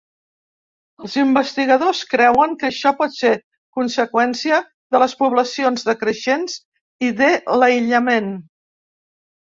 Els investigadors creuen que això pot ser conseqüència de les poblacions decreixents i de l'aïllament.